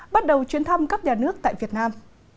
bắt đầu chuyến thăm cấp nhà nước tại việt nam